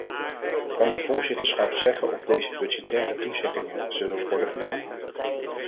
Kan het voorzitterschap zeggen of deze budgettaire toezeggingen zullen worden gedaan?